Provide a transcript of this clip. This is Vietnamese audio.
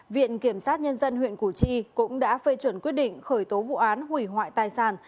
viện kiểm sát nhân dân huyện củ chi cũng đã phê chuẩn quyết định khởi tố vụ án hủy hoại tài sản